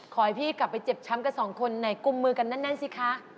ขอให้พี่กลับไปเจ็บช้ำกับสองคนไหนกุมมือกันแน่นสิคะ